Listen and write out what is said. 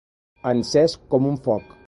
Encès com un foc.